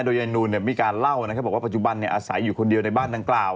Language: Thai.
โดยยายนูนมีการเล่านะครับบอกว่าปัจจุบันอาศัยอยู่คนเดียวในบ้านดังกล่าว